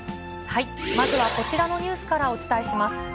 まずはこちらのニュースからお伝えします。